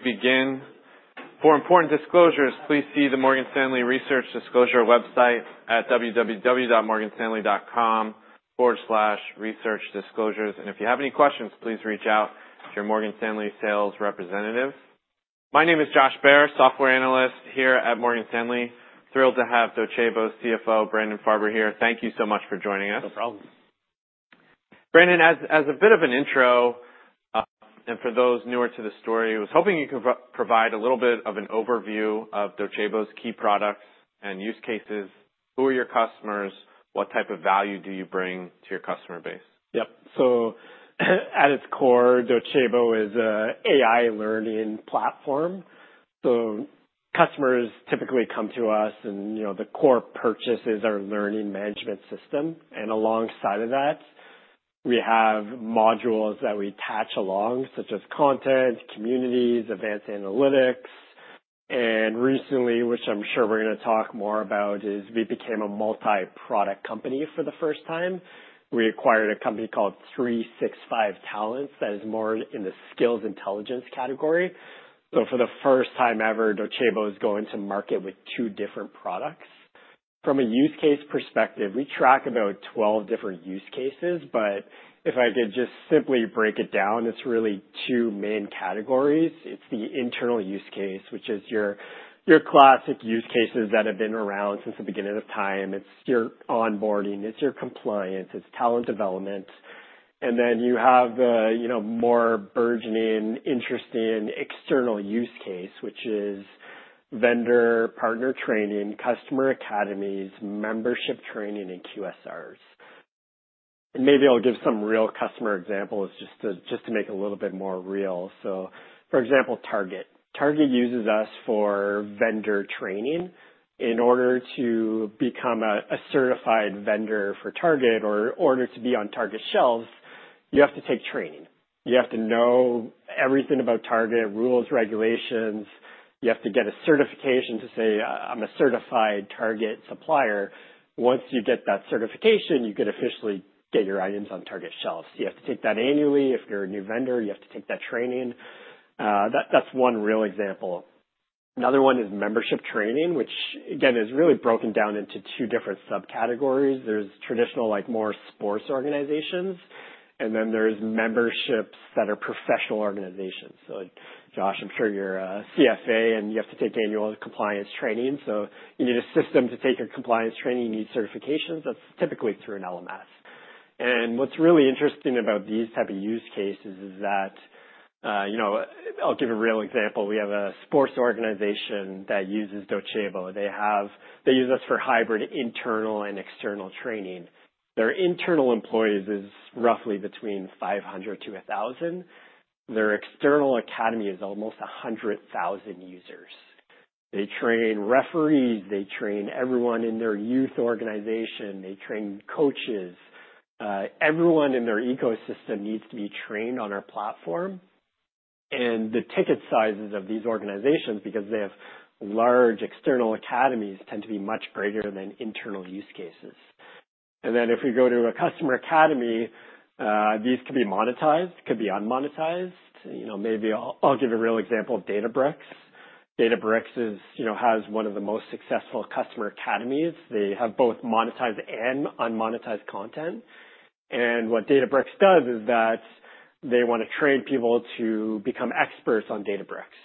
Right before we begin, for important disclosures, please see the Morgan Stanley Research Disclosure website at www.morganstanley.com/researchdisclosures. If you have any questions, please reach out to your Morgan Stanley sales representative. My name is Josh Baer, software analyst here at Morgan Stanley. Thrilled to have Docebo CFO, Brandon Farber here. Thank you so much for joining us. No problem. Brandon, as a bit of an intro, for those newer to the story, I was hoping you could provide a little bit of an overview of Docebo's key products and use cases. Who are your customers? What type of value do you bring to your customer base? Yep. At its core, Docebo is an AI learning platform. Customers typically come to us and, you know, the core purchases are learning management system. Alongside of that, we have modules that we attach along, such as content, communities, advanced analytics. Recently, which I'm sure we're going to talk more about, is we became a multi-product company for the first time. We acquired a company called 365Talents that is more in the skills intelligence category. For the first time ever, Docebo is going to market with two different products. From a use case perspective, we track about 12 different use cases, if I could just simply break it down, it's really two main categories. It's the internal use case, which is your classic use cases that have been around since the beginning of time. It's your onboarding, it's your compliance, it's talent development. You have, you know, more burgeoning interesting external use case, which is vendor partner training, customer academies, membership training, and QSRs. Maybe I'll give some real customer examples just to make it a little bit more real. For example, Target. Target uses us for vendor training. In order to become a certified vendor for Target or in order to be on Target shelves, you have to take training. You have to know everything about Target, rules, regulations. You have to get a certification to say, "I'm a certified Target supplier." Once you get that certification, you can officially get your items on Target shelves. You have to take that annually. If you're a new vendor, you have to take that training. That's one real example. Another one is membership training, which again, is really broken down into two different subcategories. There's traditional, like, more sports organizations, then there's memberships that are professional organizations. Like Josh, I'm sure you're a CFA, you have to take annual compliance training, you need a system to take your compliance training. You need certifications. That's typically through an LMS. What's really interesting about these type of use cases is that, you know, I'll give a real example. We have a sports organization that uses Docebo. They use us for hybrid internal and external training. Their internal employees is roughly between 500-1,000. Their external academy is almost 100,000 users. They train referees, they train everyone in their youth organization. They train coaches. Everyone in their ecosystem needs to be trained on our platform. The ticket sizes of these organizations, because they have large external academies, tend to be much greater than internal use cases. If we go to a customer academy, these could be monetized, could be unmonetized. You know, maybe I'll give a real example of Databricks. Databricks is, you know, has one of the most successful customer academies. They have both monetized and unmonetized content. What Databricks does is that they want to train people to become experts on Databricks.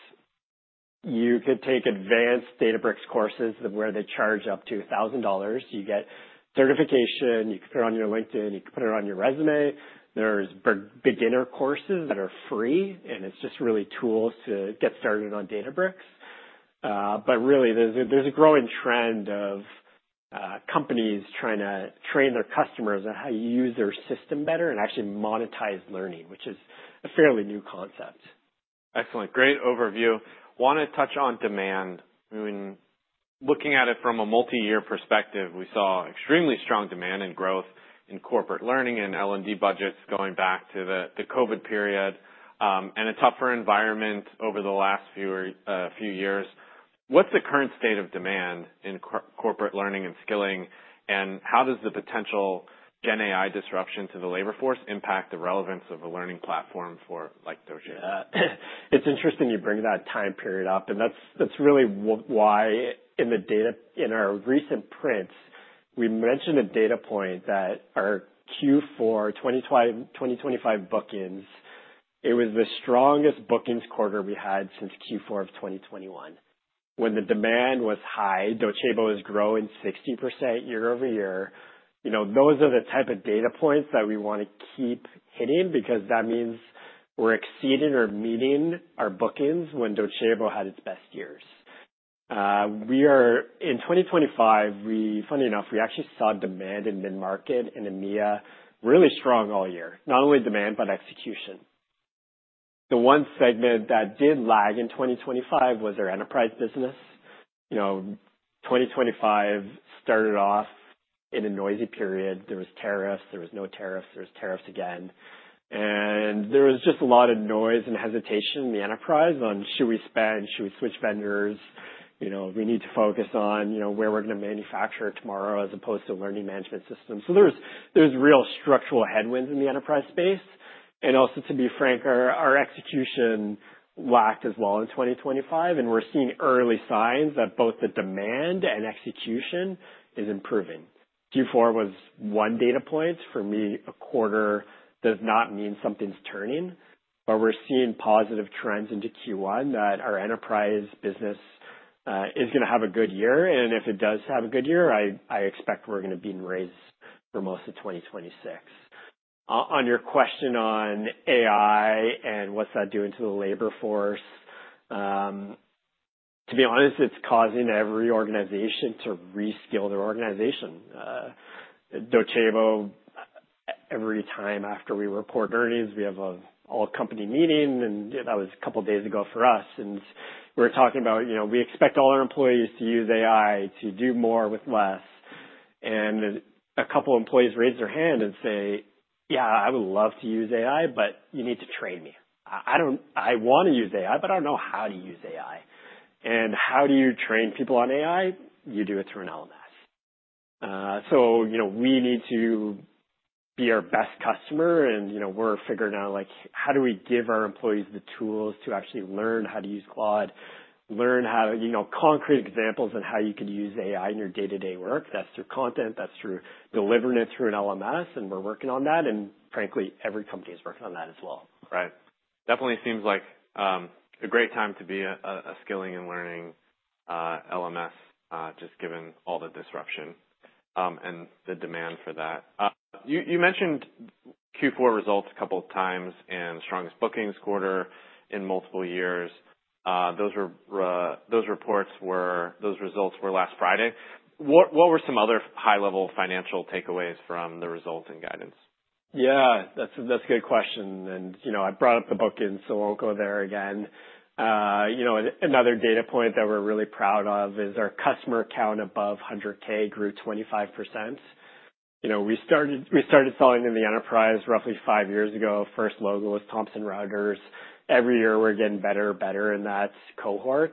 You could take advanced Databricks courses where they charge up to $1,000. You get certification, you could put it on your LinkedIn, you could put it on your resume. There's beginner courses that are free, and it's just really tools to get started on Databricks. Really, there's a growing trend of companies trying to train their customers on how to use their system better and actually monetize learning, which is a fairly new concept. Excellent. Great overview. Want to touch on demand. I mean, looking at it from a multi-year perspective, we saw extremely strong demand and growth in corporate learning and L&D budgets going back to the COVID period, and a tougher environment over the last few years. What's the current state of demand in corporate learning and skilling, and how does the potential GenAI disruption to the labor force impact the relevance of a learning platform for like Docebo? It's interesting you bring that time period up. That's really why in the data in our recent prints, we mentioned a data point that our Q4 2025 bookings, it was the strongest bookings quarter we had since Q4 of 2021. When the demand was high, Docebo was growing 60% year-over-year. You know, those are the type of data points that we want to keep hitting because that means we're exceeding or meeting our bookings when Docebo had its best years. In 2025, funny enough, we actually saw demand in mid-market and EMEA really strong all year. Not only demand, but execution. The one segment that did lag in 2025 was our enterprise business. You know, 2025 started off in a noisy period. There was tariffs, there was no tariffs, there was tariffs again. There was just a lot of noise and hesitation in the enterprise on should we spend, should we switch vendors? You know, we need to focus on, you know, where we're gonna manufacture tomorrow as opposed to learning management systems. There's, there's real structural headwinds in the enterprise space. Also, to be frank, our execution lacked as well in 2025, and we're seeing early signs that both the demand and execution is improving. Q4 was one data point. For me, a quarter does not mean something's turning, but we're seeing positive trends into Q1 that our enterprise business, uh, is gonna have a good year. If it does have a good year, I expect we're gonna be in raise for most of 2026. On your question on AI and what's that doing to the labor force, to be honest, it's causing every organization to reskill their organization. Docebo, every time after we report earnings, we have an all-company meeting, and that was a couple days ago for us. We're talking about, you know, we expect all our employees to use AI to do more with less. A couple employees raised their hand and say, "Yeah, I would love to use AI, but you need to train me. I wanna use AI, but I don't know how to use AI." How do you train people on AI? You do it through an LMS. You know, we need to be our best customer and, you know, we're figuring out, like, how do we give our employees the tools to actually learn how to use Claude, learn how, you know, concrete examples on how you could use AI in your day-to-day work. That's through content, that's through delivering it through an LMS, and we're working on that. Frankly, every company is working on that as well. Right. Definitely seems like a great time to be a skilling and learning LMS, just given all the disruption and the demand for that. You mentioned Q4 results a couple of times and strongest bookings quarter in multiple years. Those results were last Friday. What were some other high-level financial takeaways from the results and guidance? Yeah, that's a good question. You know, I brought up the bookings, so I won't go there again. You know, another data point that we're really proud of is our customer count above 100K grew 25%. You know, we started selling in the enterprise roughly five years ago. First logo was Thomson Reuters. Every year, we're getting better and better in that cohort.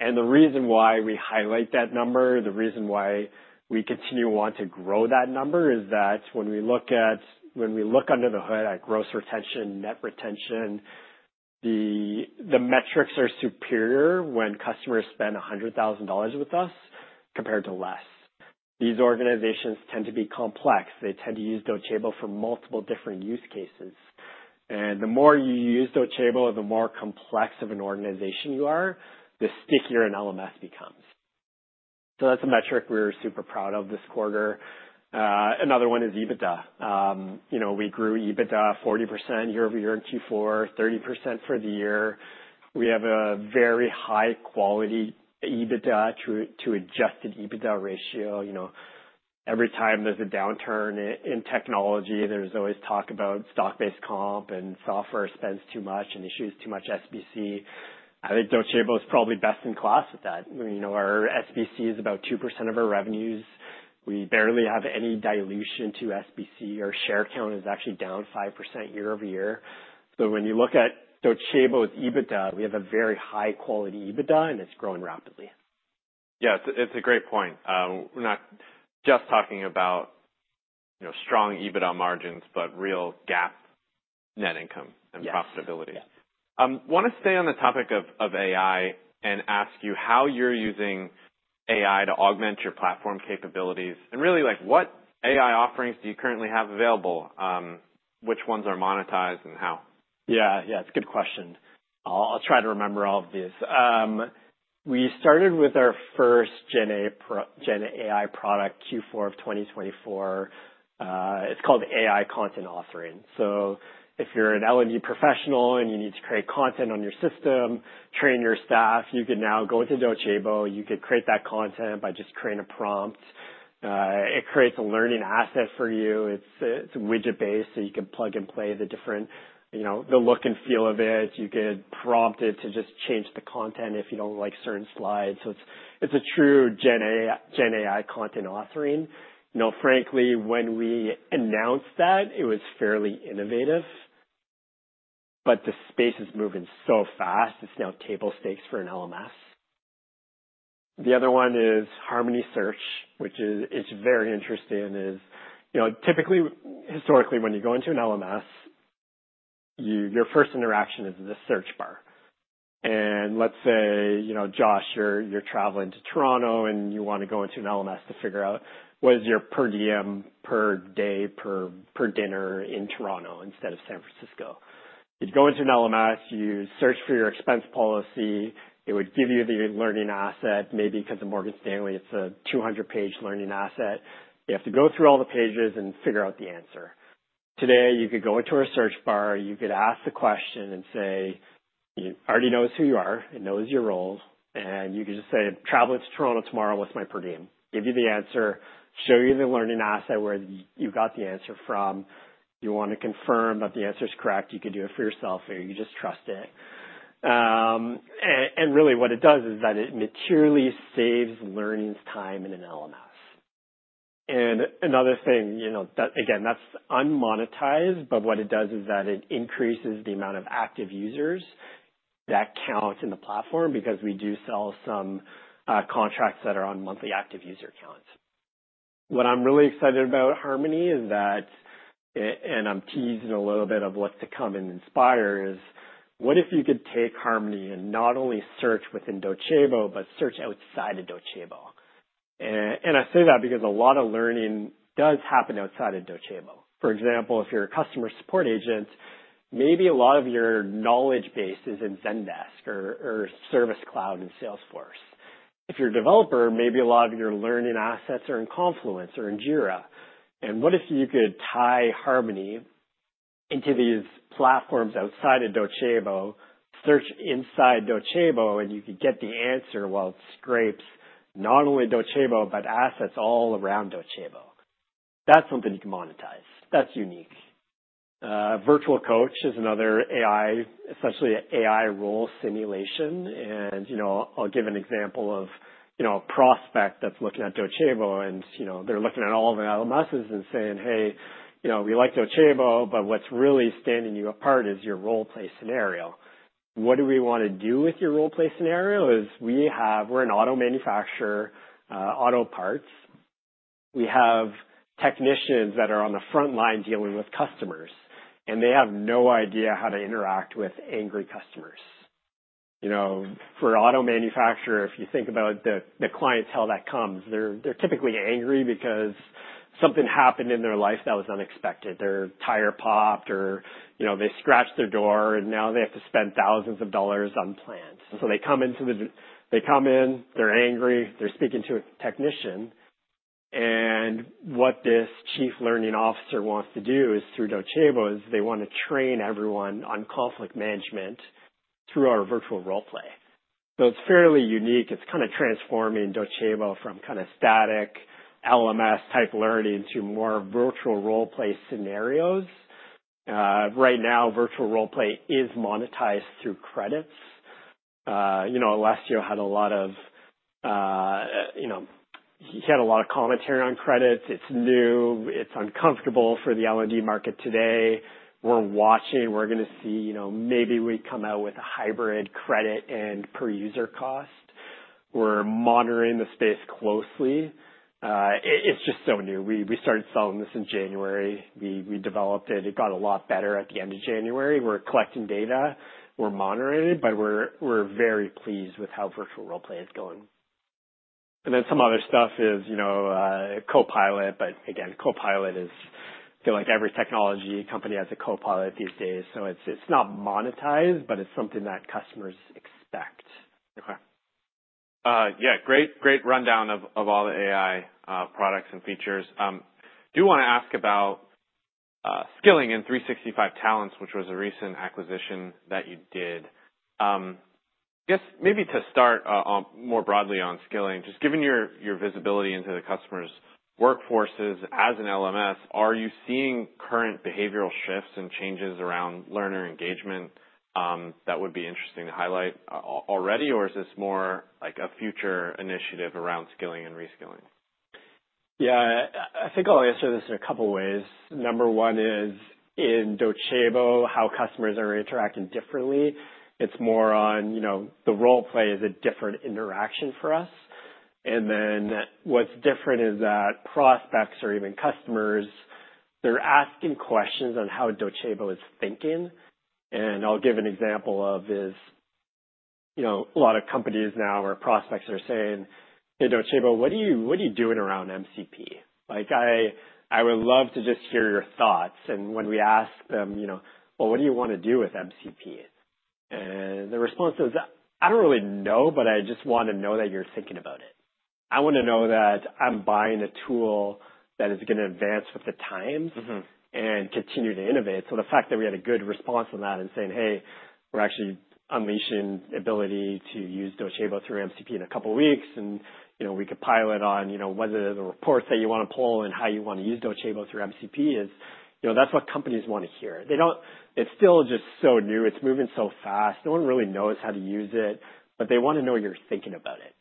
The reason why we highlight that number, the reason why we continue want to grow that number is that when we look under the hood at gross retention, net retention, the metrics are superior when customers spend $100,000 with us compared to less. These organizations tend to be complex. They tend to use Docebo for multiple different use cases. The more you use Docebo, the more complex of an organization you are, the stickier an LMS becomes. That's a metric we're super proud of this quarter. Another one is EBITDA. You know, we grew EBITDA 40% year-over-year in Q4, 30% for the year. We have a very high-quality EBITDA to adjusted EBITDA ratio. You know, every time there's a downturn in technology, there's always talk about stock-based comp and software spends too much and issues too much SBC. I think Docebo is probably best in class with that. You know, our SBC is about 2% of our revenues. We barely have any dilution to SBC. Our share count is actually down 5% year-over-year. When you look at Docebo's EBITDA, we have a very high-quality EBITDA and it's growing rapidly. Yeah. It's a great point. We're not just talking about, you know, strong EBITDA margins, but real GAAP net income. Yes. profitability. Yeah. Wanna stay on the topic of AI and ask you how you're using AI to augment your platform capabilities. Really, like, what AI offerings do you currently have available? Which ones are monetized and how? Yeah. Yeah, it's a good question. I'll try to remember all of these. We started with our first GenAI product Q4 of 2024. It's called AI content authoring. If you're an L&D professional and you need to create content on your system, train your staff, you can now go into Docebo, you could create that content by just creating a prompt. It creates a learning asset for you. It's, it's widget-based, so you can plug and play the different, you know, the look and feel of it. You could prompt it to just change the content if you don't like certain slides. It's, it's a true GenAI content authoring. You know, frankly, when we announced that, it was fairly innovative, but the space is moving so fast, it's now table stakes for an LMS. The other one is Harmony Search, which is, it's very interesting, you know, typically, historically, when you go into an LMS, your first interaction is the search bar. Let's say, you know, Josh, you're traveling to Toronto and you wanna go into an LMS to figure out what is your per diem per day, per dinner in Toronto instead of San Francisco. You go into an LMS, you search for your expense policy. It would give you the learning asset, maybe 'cause of Morgan Stanley, it's a 200-page learning asset. You have to go through all the pages and figure out the answer. Today, you could go into a search bar, you could ask the question and say... It already knows who you are, it knows your roles, you can just say, "Traveling to Toronto tomorrow, what's my per diem?" Give you the answer, show you the learning asset where you got the answer from. You wanna confirm that the answer is correct, you could do it for yourself or you just trust it. Really what it does is that it materially saves learnings time in an LMS. Another thing, you know, that again, that's unmonetized, but what it does is that it increases the amount of active users that count in the platform because we do sell some contracts that are on monthly active user counts. What I'm really excited about Harmony is that, and I'm teasing a little bit of what's to come in Inspire, is what if you could take Harmony and not only search within Docebo, but search outside of Docebo? I say that because a lot of learning does happen outside of Docebo. For example, if you're a customer support agent, maybe a lot of your knowledge base is in Zendesk or Service Cloud in Salesforce. If you're a developer, maybe a lot of your learning assets are in Confluence or in Jira. What if you could tie Harmony into these platforms outside of Docebo, search inside Docebo, and you could get the answer while it scrapes not only Docebo, but assets all around Docebo? That's something you can monetize. That's unique. Virtual Coach is another AI, essentially AI role simulation. You know, I'll give an example of, you know, a prospect that's looking at Docebo and, you know, they're looking at all the LMSs and saying, "Hey, you know, we like Docebo, but what's really standing you apart is your role play scenario. What do we wanna do with your role play scenario is we're an auto manufacturer, auto parts. We have technicians that are on the front line dealing with customers, and they have no idea how to interact with angry customers." You know, for auto manufacturer, if you think about the clients, how that comes, they're typically angry because something happened in their life that was unexpected. Their tire popped or, you know, they scratched their door and now they have to spend $ thousands unplanned. They come into they come in, they're angry, they're speaking to a technician. What this Chief Learning Officer wants to do is, through Docebo, is they want to train everyone on conflict management through our virtual role play. It's fairly unique. It's kind of transforming Docebo from kind of static LMS-type learning to more virtual role-play scenarios. Right now, virtual role play is monetized through credits. You know, last year had a lot of, you know, he had a lot of commentary on credits. It's new. It's uncomfortable for the L&D market today. We're watching. We are going to see. You know, maybe we come out with a hybrid credit and per user cost. We're monitoring the space closely. It's just so new. We started selling this in January. We developed it. It got a lot better at the end of January. We're collecting data. We're monitoring, but we're very pleased with how virtual role play is going. some other stuff is, you know, Copilot. Copilot is, I feel like every technology company has a copilot these days. it's not monetized, but it's something that customers expect. Okay. Yeah, great rundown of all the AI products and features. Do wanna ask about skilling in 365Talents, which was a recent acquisition that you did. Just maybe to start on more broadly on skilling, just given your visibility into the customer's workforces as an LMS, are you seeing current behavioral shifts and changes around learner engagement that would be interesting to highlight already, or is this more like a future initiative around skilling and reskilling? Yeah. I think I'll answer this in a couple ways. Number one is in Docebo, how customers are interacting differently. It's more on, you know, the role play is a different interaction for us. What's different is that prospects or even customers, they're asking questions on how Docebo is thinking. I'll give an example of is, you know, a lot of companies now or prospects are saying, "Hey, Docebo, what are you doing around MCP? Like, I would love to just hear your thoughts." When we ask them, you know, "Well, what do you wanna do with MCP?" The response is, "I don't really know, but I just want to know that you're thinking about it. I wanna know that I'm buying a tool that is gonna advance with the times- Mm-hmm... and continue to innovate." The fact that we had a good response on that and saying, "Hey, we're actually unleashing ability to use Docebo through MCP in a couple of weeks. You know, we could pilot on, you know, whether the reports that you wanna pull and how you wanna use Docebo through MCP is..." You know, that's what companies wanna hear. They don't. It's still just so new. It's moving so fast. No one really knows how to use it, but they wanna know you're thinking about it.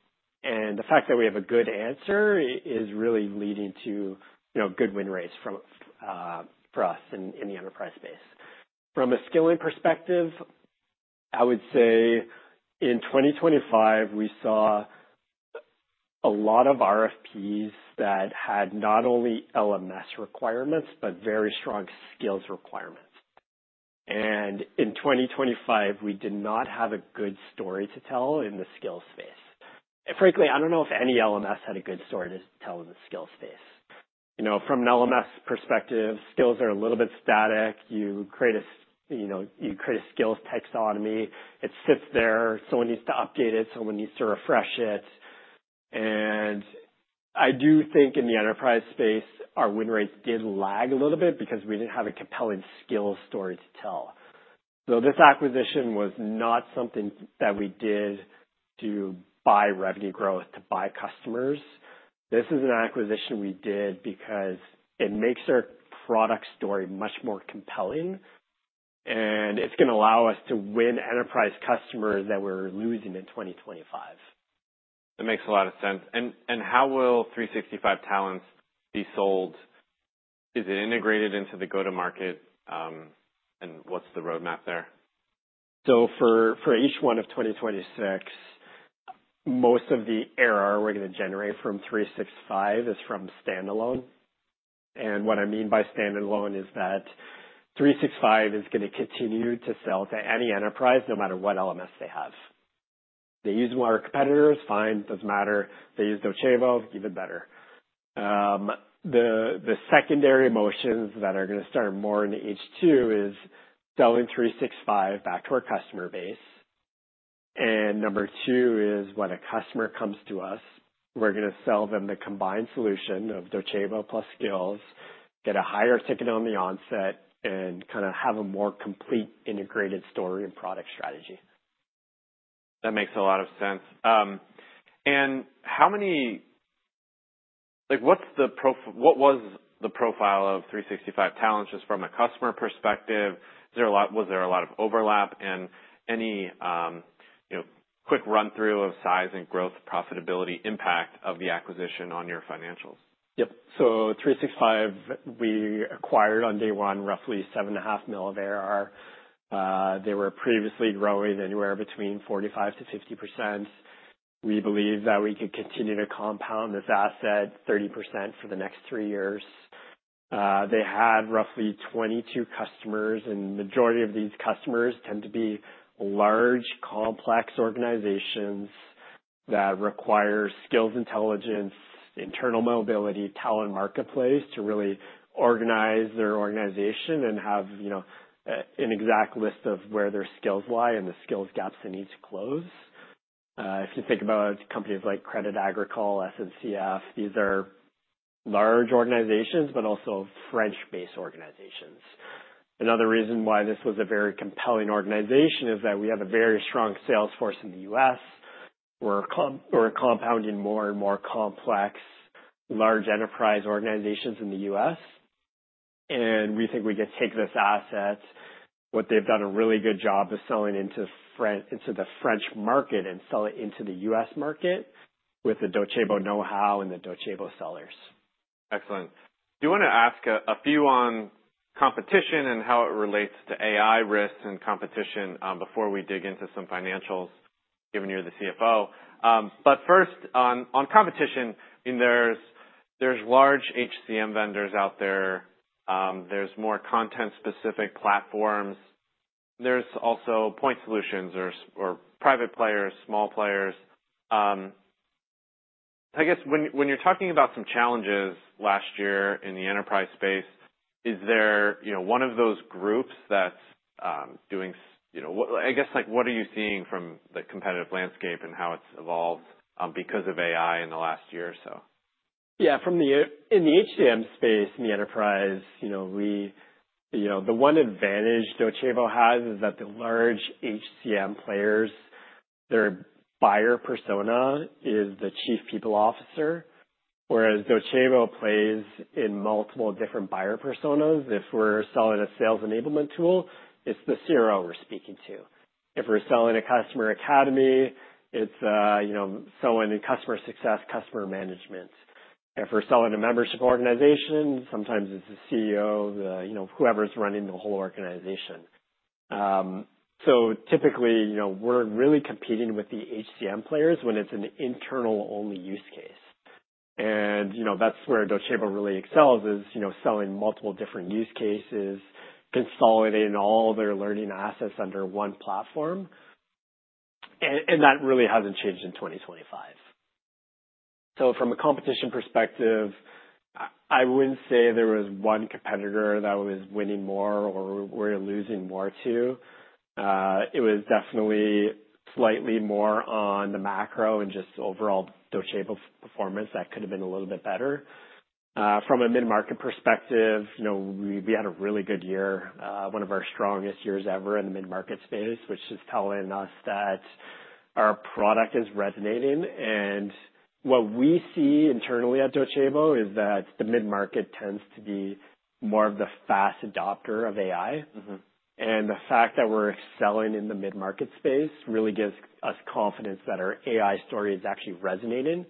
The fact that we have a good answer is really leading to, you know, good win rates from for us in the enterprise space. From a skilling perspective, I would say in 2025, we saw a lot of RFPs that had not only LMS requirements, but very strong skills requirements. In 2025, we did not have a good story to tell in the skills space. Frankly, I don't know if any LMS had a good story to tell in the skills space. You know, from an LMS perspective, skills are a little bit static. You create a skills taxonomy. It sits there. Someone needs to update it, someone needs to refresh it. I do think in the enterprise space, our win rates did lag a little bit because we didn't have a compelling skills story to tell. This acquisition was not something that we did to buy revenue growth, to buy customers. This is an acquisition we did because it makes our product story much more compelling. It's gonna allow us to win enterprise customers that we're losing in 2025. That makes a lot of sense. How will 365Talents be sold? Is it integrated into the go-to-market? What's the roadmap there? For H1 of 2026, most of the ARR we're gonna generate from 365 is from standalone. What I mean by standalone is that 365 is gonna continue to sell to any enterprise no matter what LMS they have. They use one of our competitors, fine, doesn't matter. They use Docebo, even better. The secondary motions that are gonna start more in H2 is selling 365 back to our customer base. Number two is when a customer comes to us, we're gonna sell them the combined solution of Docebo plus Skills, get a higher ticket on the onset, and kinda have a more complete integrated story and product strategy. That makes a lot of sense. Like what was the profile of 365Talents just from a customer perspective? Was there a lot of overlap and any, you know, quick run-through of size and growth profitability impact of the acquisition on your financials? Yep. 365Talents, we acquired on day one roughly seven and a half mil of ARR. They were previously growing anywhere between 45%-50%. We believe that we could continue to compound this asset 30% for the next three years. They had roughly 22 customers, and majority of these customers tend to be large, complex organizations that require skills intelligence, internal mobility, talent marketplace to really organize their organization and have, you know, an exact list of where their skills lie and the skills gaps they need to close. If you think about companies like Crédit Agricole, SNCF, these are large organizations, but also French-based organizations. Another reason why this was a very compelling organization is that we have a very strong sales force in the U.S. We're compounding more and more complex large enterprise organizations in the U.S. We think we can take this asset, what they've done a really good job of selling into the French market and sell it into the U.S. market with the Docebo know-how and the Docebo sellers. Excellent. Do you wanna ask a few on competition and how it relates to AI risks and competition, before we dig into some financials, given you're the CFO? First on competition, I mean, there's large HCM vendors out there. There's more content-specific platforms. There's also point solutions or private players, small players. I guess when you're talking about some challenges last year in the enterprise space, is there, you know, one of those groups that's doing, you know, what I guess, like, what are you seeing from the competitive landscape and how it's evolved because of AI in the last year or so? In the HCM space, in the enterprise, you know, we, you know, the one advantage Docebo has is that the large HCM players, their buyer persona is the chief people officer, whereas Docebo plays in multiple different buyer personas. If we're selling a sales enablement tool, it's the CRO we're speaking to. If we're selling a customer academy, it's, you know, selling customer success, customer management. If we're selling a membership organization, sometimes it's the CEO, the, you know, whoever's running the whole organization. Typically, you know, we're really competing with the HCM players when it's an internal-only use case. You know, that's where Docebo really excels is, you know, selling multiple different use cases, consolidating all their learning assets under one platform. That really hasn't changed in 2025. From a competition perspective, I wouldn't say there was one competitor that was winning more or we're losing more to. It was definitely slightly more on the macro and just overall Docebo performance that could have been a little bit better. From a mid-market perspective, you know, we had a really good year, one of our strongest years ever in the mid-market space, which is telling us that our product is resonating. What we see internally at Docebo is that the mid-market tends to be more of the fast adopter of AI. Mm-hmm. The fact that we're selling in the mid-market space really gives us confidence that our AI story is actually resonating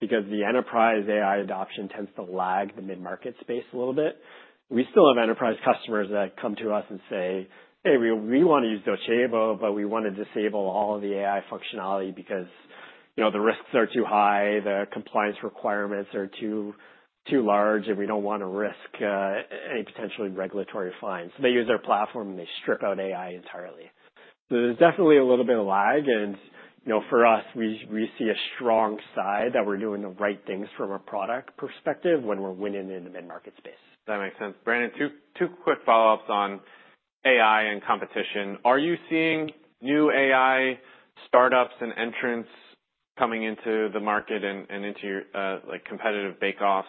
because the enterprise AI adoption tends to lag the mid-market space a little bit. We still have enterprise customers that come to us and say, "Hey, we wanna use Docebo, but we wanna disable all of the AI functionality because, you know, the risks are too high, the compliance requirements are too large, and we don't wanna risk any potentially regulatory fines." They use our platform, and they strip out AI entirely. There's definitely a little bit of lag, and, you know, for us, we see a strong side that we're doing the right things from a product perspective when we're winning in the mid-market space. That makes sense. Brandon, two quick follow-ups on AI and competition. Are you seeing new AI startups and entrants coming into the market and into your like competitive bake-offs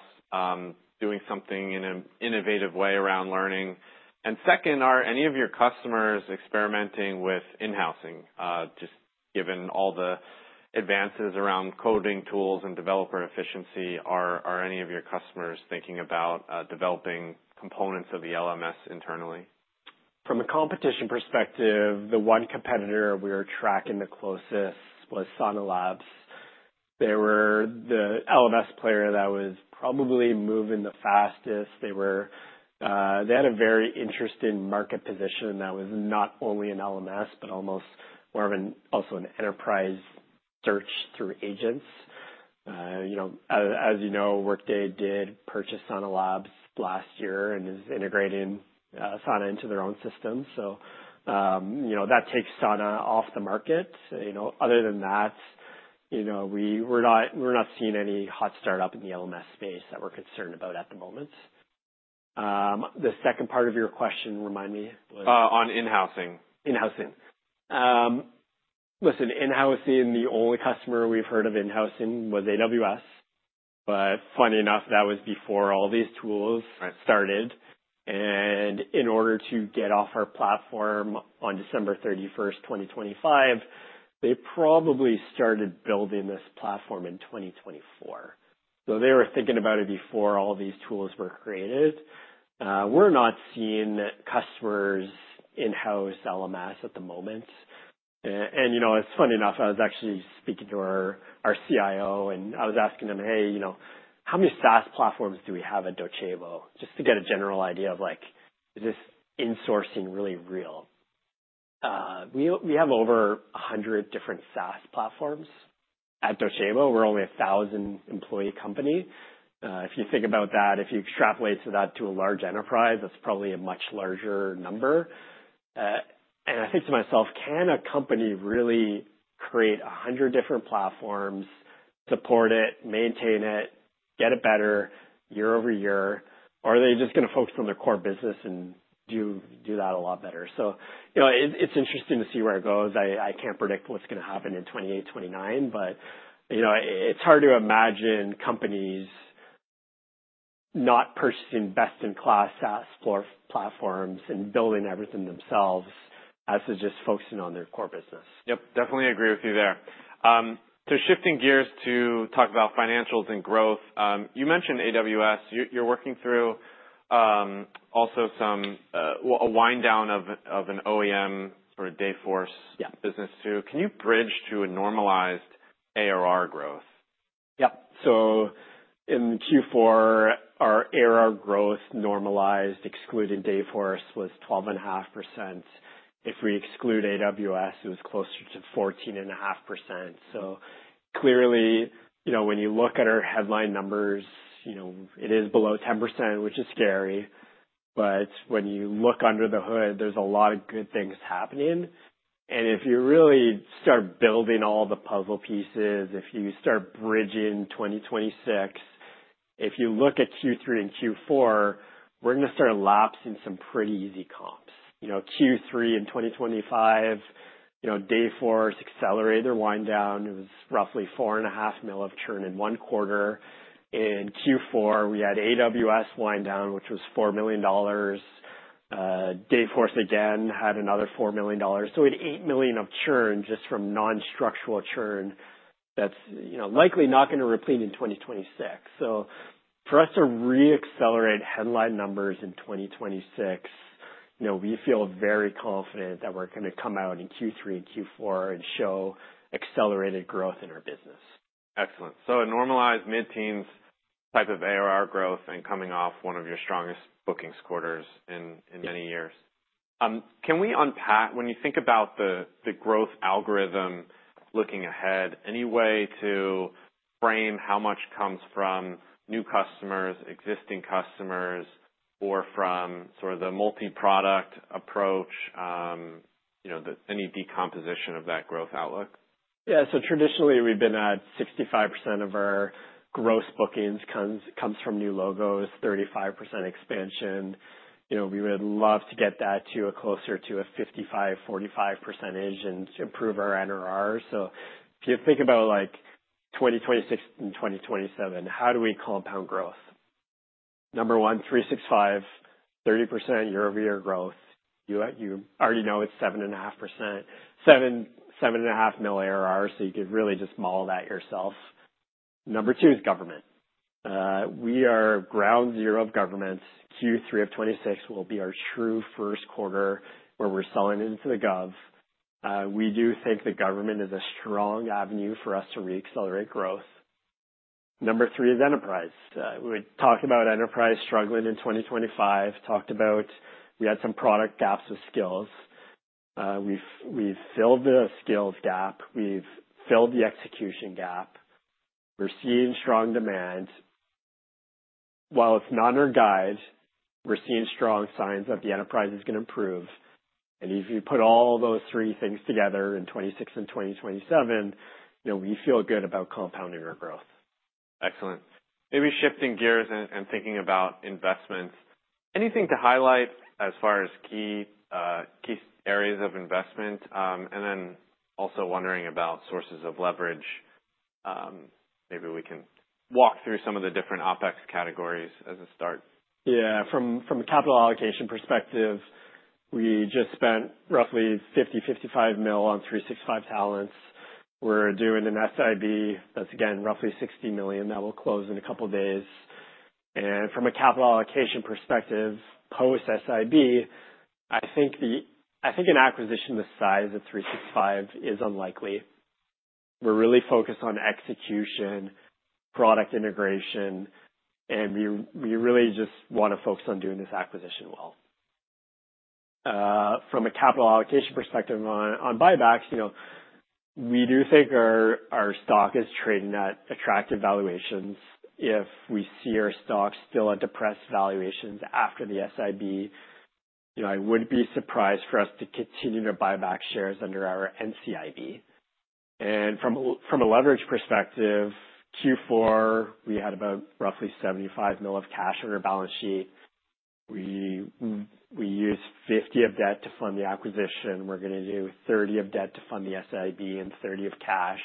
doing something in an innovative way around learning? Second, are any of your customers experimenting with in-housing just given all the advances around coding tools and developer efficiency. Are any of your customers thinking about developing components of the LMS internally? From a competition perspective, the one competitor we are tracking the closest was Sana Labs. They had a very interesting market position that was not only an LMS, but almost more of an also an enterprise search through agents. You know, as you know, Workday did purchase Sana Labs last year and is integrating, Sana into their own system. You know, that takes Sana off the market. You know, other than that, you know, we're not seeing any hot startup in the LMS space that we're concerned about at the moment. The second part of your question, remind me. on in-housing. In-housing. Listen, in-housing, the only customer we've heard of in-housing was AWS, but funny enough, that was before all these tools started. In order to get off our platform on December 31, 2025, they probably started building this platform in 2024. They were thinking about it before all these tools were created. We're not seeing customers in-house LMS at the moment. You know, it's funny enough, I was actually speaking to our CIO, and I was asking them, "Hey, you know, how many SaaS platforms do we have at Docebo?" Just to get a general idea of like, is this insourcing really real? We have over 100 different SaaS platforms at Docebo. We're only a 1,000-employee company. If you think about that, if you extrapolate to that to a large enterprise, that's probably a much larger number. I think to myself, can a company really create 100 different platforms, support it, maintain it, get it better year-over-year? Are they just gonna focus on their core business and do that a lot better? You know, it's interesting to see where it goes. I can't predict what's gonna happen in 2028, 2029, but, you know, it's hard to imagine companies not purchasing best-in-class SaaS platforms and building everything themselves as to just focusing on their core business. Yep, definitely agree with you there. Shifting gears to talk about financials and growth. You mentioned AWS. You're working through also some a wind down of an OEM sort of Dayforce. Yeah. business too. Can you bridge to a normalized ARR growth? In Q4, our ARR growth normalized, excluding Dayforce, was 12.5%. If we exclude AWS, it was closer to 14.5%. Clearly, you know, when you look at our headline numbers, you know, it is below 10%, which is scary. When you look under the hood, there's a lot of good things happening. If you really start building all the puzzle pieces, if you start bridging 2026, if you look at Q3 and Q4, we're gonna start lapsing some pretty easy comps. You know, Q3 in 2025, you know, Dayforce accelerated their wind down. It was roughly $4.5 million of churn in one quarter. In Q4, we had AWS wind down, which was $4 million. Dayforce again had another $4 million. We had $8 million of churn just from non-structural churn that's, you know, likely not gonna repeat in 2026. For us to re-accelerate headline numbers in 2026, you know, we feel very confident that we're gonna come out in Q3 and Q4 and show accelerated growth in our business. Excellent. A normalized mid-teens type of ARR growth and coming off one of your strongest bookings quarters in many years. Can we unpack, when you think about the growth algorithm looking ahead, any way to frame how much comes from new customers, existing customers, or from sort of the multi-product approach, you know, any decomposition of that growth outlook? Yeah. Traditionally we've been at 65% of our gross bookings comes from new logos, 35% expansion. You know, we would love to get that to a closer to a 55%, 45% percentage and improve our NRR. If you think about like 2026 and 2027, how do we compound growth? Number one, 365, 30% year-over-year growth. You already know it's 7.5%. $7.5 million ARR, you could really just model that yourself. Number two is government. We are ground zero of government. Q3 of 2026 will be our true first quarter where we're selling into the gov. We do think the government is a strong avenue for us to re-accelerate growth. Number three is enterprise. We talked about enterprise struggling in 2025. Talked about we had some product gaps with skills. We've filled the skills gap. We've filled the execution gap. We're seeing strong demand. While it's not in our guide, we're seeing strong signs that the enterprise is gonna improve. If you put all those three things together in 2026 and 2027, you know, we feel good about compounding our growth. Excellent. Maybe shifting gears and thinking about investments. Anything to highlight as far as key areas of investment? Also wondering about sources of leverage. Maybe we can walk through some of the different OpEx categories as a start. Yeah. From a capital allocation perspective, we just spent roughly $50-$55 million on 365Talents. We're doing an SIB that's again, roughly $60 million. That will close in a couple days. From a capital allocation perspective, post SIB, I think an acquisition the size of 365 is unlikely. We're really focused on execution, product integration, and we really just wanna focus on doing this acquisition well. From a capital allocation perspective on buybacks, you know, we do think our stock is trading at attractive valuations. If we see our stock still at depressed valuations after the SIB, you know, I wouldn't be surprised for us to continue to buy back shares under our NCIB. From a leverage perspective, Q4, we had about roughly $75 million of cash on our balance sheet. We used $50 of debt to fund the acquisition. We're gonna do $30 of debt to fund the SIB and $30 of cash.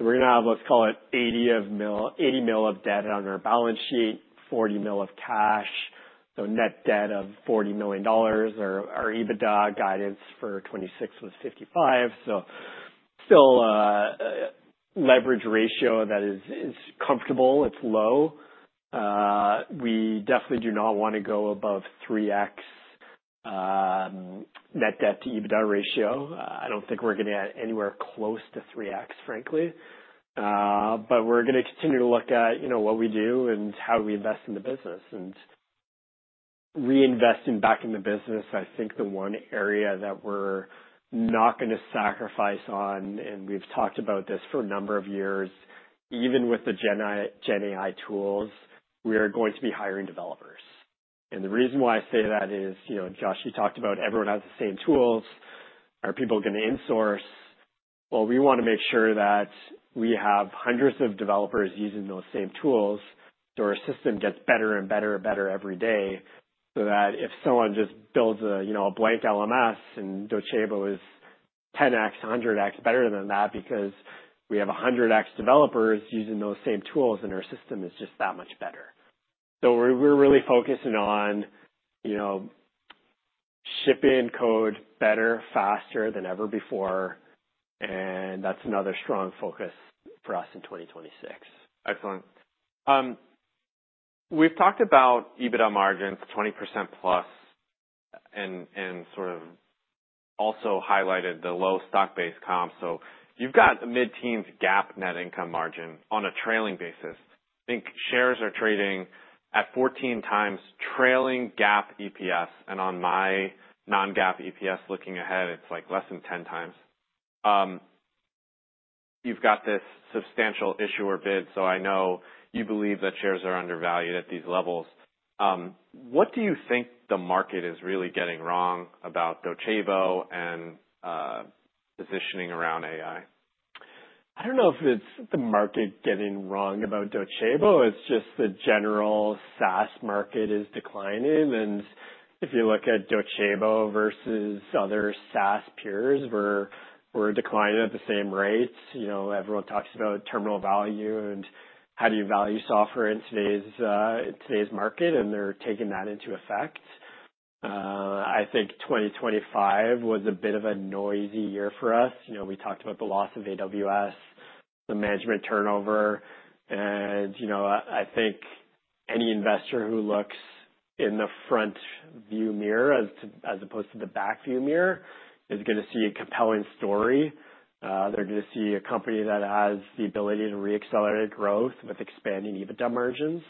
We're gonna have, let's call it $80 million of debt on our balance sheet, $40 million of cash. Net debt of $40 million or our EBITDA guidance for 2026 was $55 million. Still, a leverage ratio that is comfortable, it's low. We definitely do not want to go above 3x net debt to EBITDA ratio. I don't think we're gonna add anywhere close to 3x, frankly. We're gonna continue to look at, you know, what we do and how we invest in the business. Reinvesting back in the business, I think the one area that we're not gonna sacrifice on, and we've talked about this for a number of years, even with the GenAI tools, we are going to be hiring developers. The reason why I say that is, you know, Josh, you talked about everyone has the same tools. Are people gonna insource? Well, we wanna make sure that we have hundreds of developers using those same tools, so our system gets better and better and better every day, so that if someone just builds a, you know, a blank LMS and Docebo is 10x, 100x better than that because we have 100x developers using those same tools and our system is just that much better. We're really focusing on, you know, shipping code better, faster than ever before, and that's another strong focus for us in 2026. Excellent. We've talked about EBITDA margins 20%+ and sort of also highlighted the low stock-based comp. You've got a mid-teens GAAP net income margin on a trailing basis. I think shares are trading at 14 times trailing GAAP EPS and on my non-GAAP EPS looking ahead, it's like less than 10 times. You've got this substantial issuer bid, I know you believe that shares are undervalued at these levels. What do you think the market is really getting wrong about Docebo and positioning around AI? I don't know if it's the market getting wrong about Docebo. It's just the general SaaS market is declining. If you look at Docebo versus other SaaS peers, we're declining at the same rates. You know, everyone talks about terminal value and how do you value software in today's in today's market, and they're taking that into effect. I think 2025 was a bit of a noisy year for us. You know, we talked about the loss of AWS, the management turnover. You know, I think any investor who looks in the front view mirror as to as opposed to the back view mirror is gonna see a compelling story. They're gonna see a company that has the ability to re-accelerate growth with expanding EBITDA margins.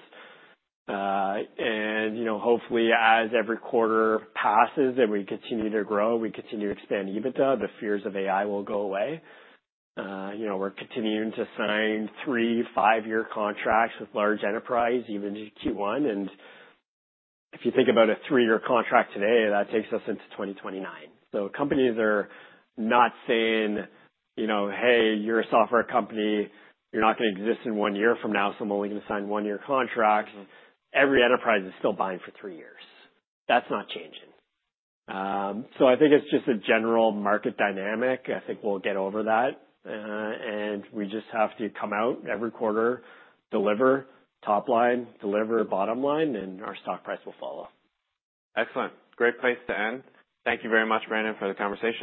You know, hopefully, as every quarter passes and we continue to grow and we continue to expand EBITDA, the fears of AI will go away. You know, we're continuing to sign three five-year contracts with large enterprise, even in Q1 and if you think about a three-year contract today, that takes us into 2029. Companies are not saying, you know, "Hey, you're a software company. You're not gonna exist in one year from now, so I'm only gonna sign one-year contracts." Every enterprise is still buying for three years. That's not changing. I think it's just a general market dynamic. I think we'll get over that, and we just have to come out every quarter, deliver top line, deliver bottom line, and our stock price will follow. Excellent. Great place to end. Thank you very much, Brandon, for the conversation.